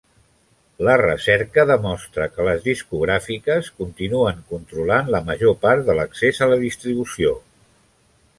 La recerca demostra que les discogràfiques continuen controlar la major part de l'accés a la distribució.